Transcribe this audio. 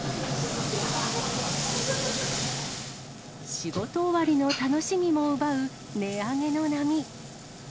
仕事終わりの楽しみを奪う値上げの波。